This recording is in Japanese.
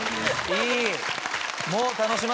いい！